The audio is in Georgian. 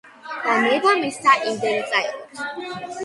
და ნება მისცა იმდენი წაეღოთ.